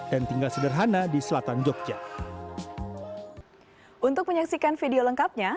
dan tinggal sederhana di kota kota yang berada di kota kota